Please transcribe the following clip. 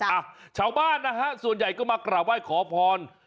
อ่ะชาวบ้านนะฮะส่วนใหญ่ก็มากราบไหว้ขอพร